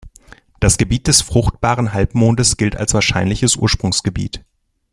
Das Gebiet des Fruchtbaren Halbmondes gilt als wahrscheinliches Ursprungsgebiet.